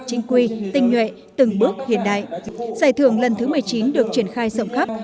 chính quy tinh nhuệ từng bước hiện đại giải thưởng lần thứ một mươi chín được triển khai rộng khắp